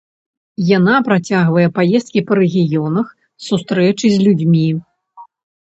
Яна працягвае паездкі па рэгіёнах, сустрэчы з людзьмі.